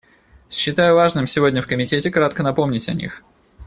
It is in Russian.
Считаю важным сегодня в Комитете кратко напомнить об них.